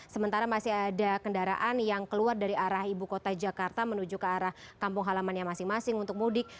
sementara masih ada kendaraan yang keluar dari arah ibu kota jakarta menuju ke arah kampung halamannya masing masing untuk mudik